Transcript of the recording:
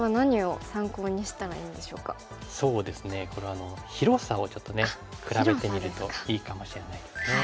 これは広さをちょっとね比べてみるといいかもしれないですね。